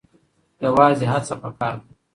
یوازې هڅه پکار ده.